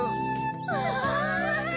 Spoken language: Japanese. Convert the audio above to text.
うわ！